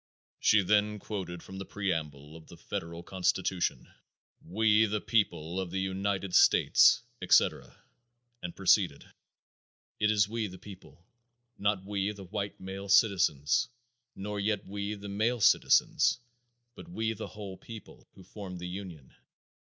She then quoted from the preamble of the Federal Constitution: "We, the people of the United States," etc., and proceeded: "It was we, the people; not we, the white male citizens; nor yet we the male citizens; but, we the whole people, who formed the union.